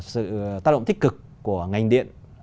sự tác động tích cực của ngành điện